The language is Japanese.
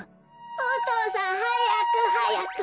お父さんはやくはやく！はなかっ